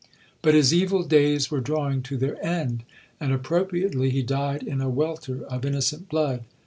But his evil days were drawing to their end; and appropriately he died in a welter of innocent blood.